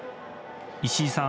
石井さん